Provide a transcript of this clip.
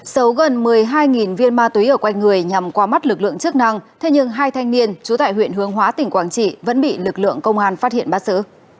sấu gần một mươi hai viên ma túy ở quanh người nhằm qua mắt lực lượng chức năng thế nhưng hai thanh niên trú tại huyện hướng hóa tỉnh quảng trị vẫn bị lực lượng công an phát hiện bắt xử